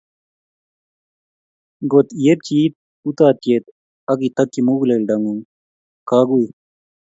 Ngot iepchi iit utaatyet, ak itokyi muguleldang'ung' kaguiy